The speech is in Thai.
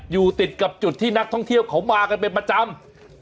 อยู่ติดกับจุดที่นักท่องเที่ยวเขามากันเป็นประจำ